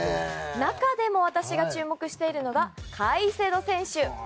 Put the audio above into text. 中でも、私が注目しているのがカイセド選手。